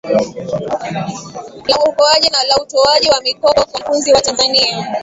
la uokoaji la utoaji wa mikopo kwa wanafunzi wa tanzania